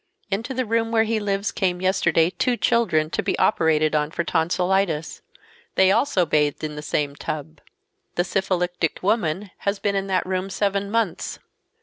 Into the room where he lives came yesterday two children to be operated on for tonsillitis. They also bathed in the same tub. The syphilitic woman has been in that room seven months.